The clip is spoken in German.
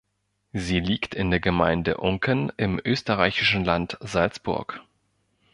Sie liegt in der Gemeinde Unken im österreichischen Land Salzburg.